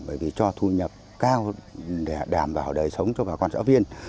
bởi vì cho thu nhập cao để đảm bảo đời sống cho bà con xã viên